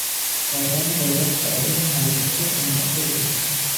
آدم باید برای مرگ خود آماده باشد.